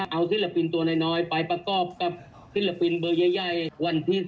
แต่ถ้าเป็นผู้ระของผู้ใย